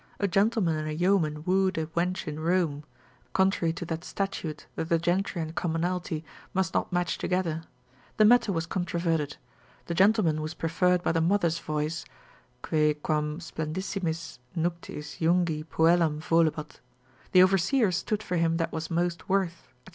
4. a gentleman and a yeoman wooed a wench in Rome (contrary to that statute that the gentry and commonalty must not match together); the matter was controverted: the gentleman was preferred by the mother's voice, quae quam splendissimis nuptiis jungi puellam volebat: the overseers stood for him that was most worth, &c.